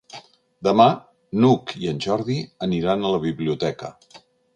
Demà n'Hug i en Jordi aniran a la biblioteca.